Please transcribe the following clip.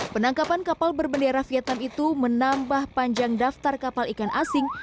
penangkapan kapal berbendera vietnam itu menambah panjang daftar kapal ikan asing